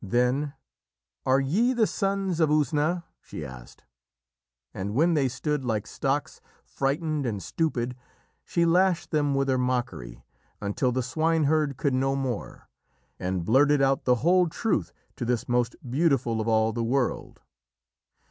Then: "Are ye the Sons of Usna?" she asked. And when they stood like stocks, frightened and stupid, she lashed them with her mockery, until the swineherd could no more, and blurted out the whole truth to this most beautiful of all the world.